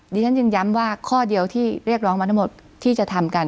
ดิฉันจึงย้ำว่าข้อเดียวที่เรียกร้องมาทั้งหมดที่จะทำกัน